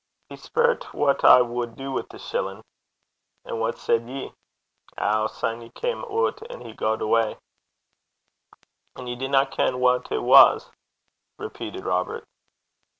'He speirt what I wad do wi' the shillin'.' 'And what said ye?' 'Ow! syne ye cam' oot, and he gaed awa'.' 'And ye dinna ken wha it was?' repeated Robert.